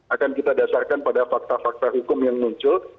akan kita dasarkan pada fakta fakta hukum yang muncul